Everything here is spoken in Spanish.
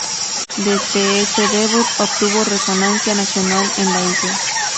Desde ese debut obtuvo resonancia nacional en la isla.